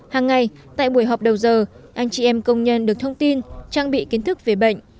hàng ngày tại buổi họp đầu giờ anh chị em công nhân được thông tin trang bị kiến thức về bệnh